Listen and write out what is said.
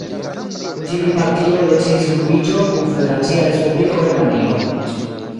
Tiuj partioj decidis unuiĝon kun Federacia Respubliko Germanio.